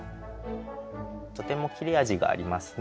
とても切れ味がありますね